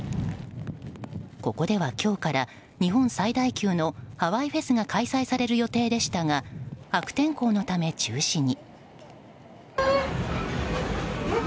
ここでは今日から日本最大級のハワイフェスが開催される予定でしたが悪天候のため、中止に。